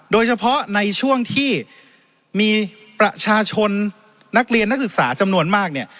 โดยเฉพาะในช่วงที่มีประชาชนนักเรียนนักศึกษาจำนวนมากเนี่ย